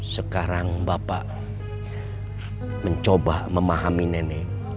sekarang bapak mencoba memahami nenek